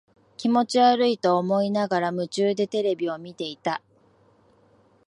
気持ち悪いと思いながら、夢中でテレビを見ていた。